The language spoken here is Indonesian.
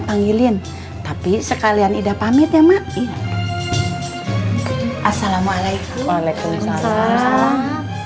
pilihin tapi sekalian ida pamit ya mak assalamualaikum waalaikumsalam